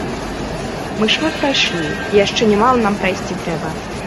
Мы шмат прайшлі, і яшчэ нямала нам прайсці трэба.